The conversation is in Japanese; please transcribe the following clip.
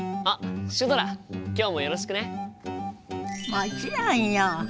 もちろんよ！